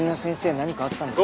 何かあったんですか？